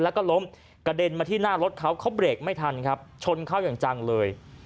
แล้วก็ล้มกระเด็นมาที่หน้ารถเขาเขาเบรกไม่ทันครับชนเข้าอย่างจังเลย